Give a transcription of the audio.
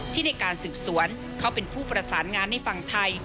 ที่ในการสืบสวนเขาเป็นผู้ประสานงานในฝั่งไทย